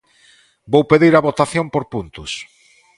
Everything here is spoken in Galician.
Vou pedir a votación por puntos.